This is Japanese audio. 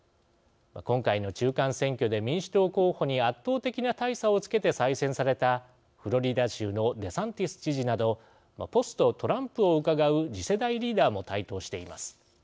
今回の中間選挙で民主党候補に圧倒的な大差をつけて再選されたフロリダ州のデサンティス知事などポスト・トランプをうかがう次世代リーダーも台頭しています。